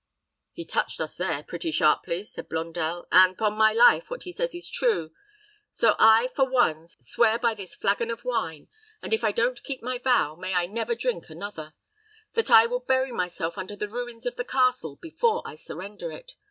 "He touched us there pretty sharply," said Blondel; "and, 'pon my life, what he says is true; so I, for one, swear by this flagon of wine and if I don't keep my vow may I never drink another that I will bury myself under the ruins of the castle before I surrender it.